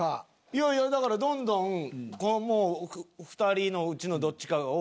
いやいやだからどんどん２人のうちのどっちかを。